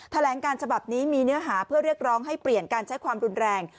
แถลงการฉบับนี้มีเนื้อหาเพื่อเรียกร้องให้เปลี่ยนการใช้ความรุนแรง